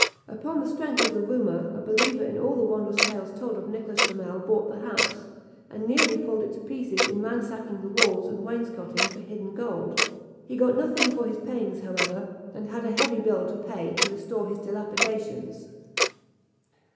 Upon the strength of the rumour, a believer in all the wondrous tales told of Nicholas Flamel bought the house, and nearly pulled it to pieces in ransacking the walls and wainscoting for hidden gold. He got nothing for his pains, however, and had a heavy bill to pay to restore his dilapidations.